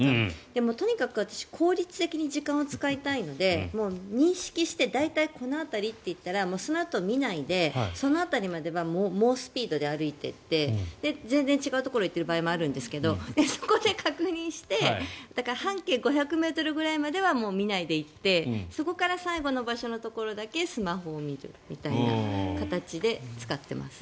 でもとにかく私、効率的に時間を使いたいので認識して大体この辺りっていったらそのあとは見ないでその辺りまでは猛スピードで歩いてって全然違うところに行っている場合もあるんですけどそこで確認してだから半径５００ｍくらいまでは見ないで行ってそこから最後の場所だけスマホを見るという形で使っています。